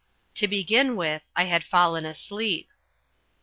To begin with, I had fallen asleep.